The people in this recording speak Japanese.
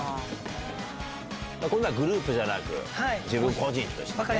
今度はグループじゃなく、自分個人としてね。